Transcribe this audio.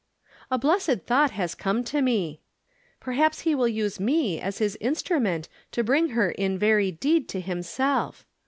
" A blessed thought has come to me. Perhaps He will use me as his instrument to bring her in very deed to himself.